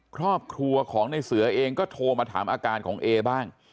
ครอบครัวของในเสือเองก็โทรมาถามอาการของเอบ้าง